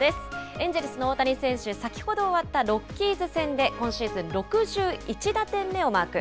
エンジェルスの大谷選手、先ほど終わったロッキーズ戦で、今シーズン６１打点目をマーク。